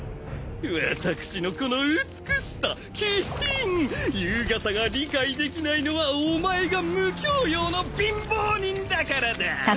私のこの美しさ気品優雅さが理解できないのはお前が無教養の貧乏人だからだ！